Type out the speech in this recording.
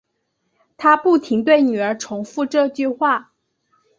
她不停对女儿重复这句话